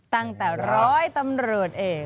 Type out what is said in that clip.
ตั้งแต่ร้อยตำรวจเอก